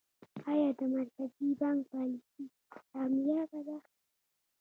آیا د مرکزي بانک پالیسي کامیابه ده؟